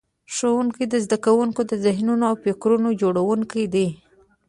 ښوونکي د زده کوونکو د ذهنونو او فکرونو جوړونکي دي.